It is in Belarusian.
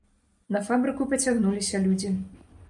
На фабрыку пацягнуліся людзі.